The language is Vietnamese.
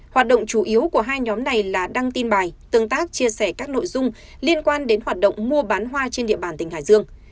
hoạt động chủ yếu của hai nhóm này là đăng tin bài tương tác chia sẻ các nội dung liên quan đến hoạt động mua bán hoa trên địa bàn tỉnh hải dương